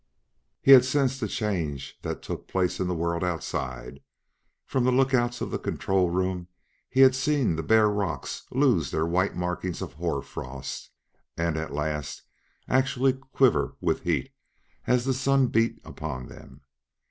He had sensed the change that took place in the world outside; from the lookouts of the control room he had seen the bare rocks lose their white markings of hoar frost and at last actually quiver with heat as the Sun beat upon them.